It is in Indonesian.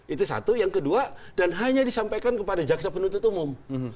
itu satu yang kedua dan hanya disampaikan kepada jaksa penuntut umum